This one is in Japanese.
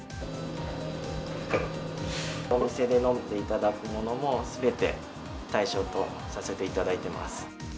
お店で飲んでいただくものも、すべて対象とさせていただいてます。